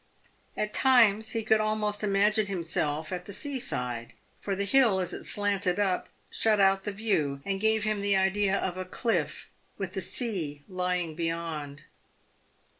At times he could almost imagine himself at the sea side, for the hill, as it slanted up, shut out the view, and gave him the idea of a cliff, with the sea lying beyond.